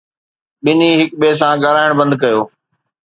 ٻنهي هڪ ٻئي سان ڳالهائڻ بند ڪيو